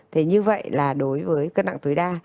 thế như vậy là đối với cân nặng tối đa